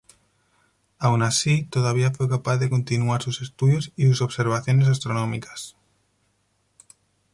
Aun así, todavía fue capaz de continuar sus estudios y sus observaciones astronómicas.